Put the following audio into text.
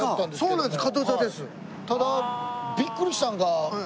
そうなんです。